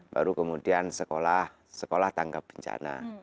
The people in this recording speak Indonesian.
baru kemudian sekolah sekolah tangga bencana